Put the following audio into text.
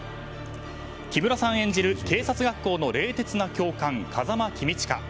木村さん演じる警察学校の冷徹な教官・風間公親。